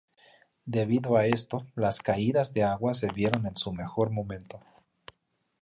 Debido a esto, las caídas de agua se vieron en su mejor momento.